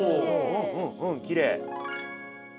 うんうんうんきれい。